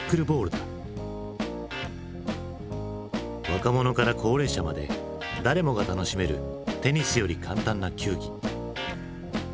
若者から高齢者まで誰もが楽しめるテニスより簡単な球技。